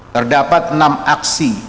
terdapat enam aksi